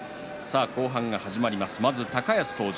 後半が始まりますと高安が登場。